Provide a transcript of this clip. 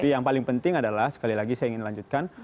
yang paling penting adalah sekali lagi saya ingin lanjutkan